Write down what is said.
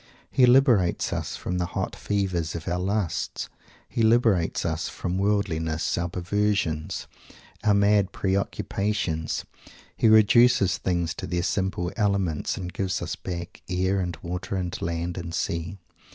He liberates us from the hot fevers of our lusts. He liberates us from our worldliness, our perversions, our mad preoccupations. He reduces things to their simple elements and gives us back air and water and land and sea.